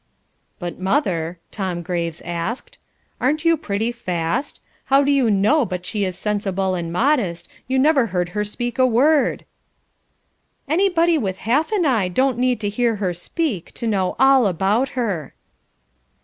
"But, mother," Tom Graves asked, "aren't you pretty fast? How do you know but she is sensible and modest; you never heard her speak a word?" "Anybody with half an eye don't need to hear her speak to know all about her."